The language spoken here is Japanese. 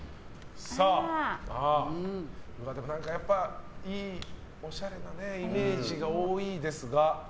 やっぱりおしゃれなイメージが多いですね。